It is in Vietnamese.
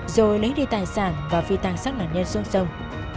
rồi lấy đi tài sản và phi tàng sát nạn nhân xuống sông